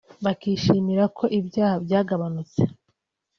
bakishimira ko ibyaha byagabanutse